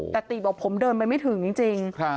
แต่ติบอกผมเดินไปไม่ถึงจริง